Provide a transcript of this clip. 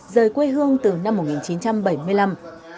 rời quê hương từ năm một nghìn chín trăm bảy mươi năm